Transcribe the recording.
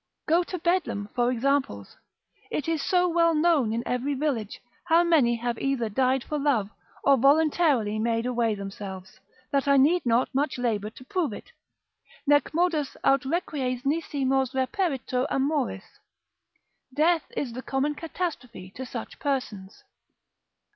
Go to Bedlam for examples. It is so well known in every village, how many have either died for love, or voluntary made away themselves, that I need not much labour to prove it: Nec modus aut requies nisi mors reperitur amoris: death is the common catastrophe to such persons.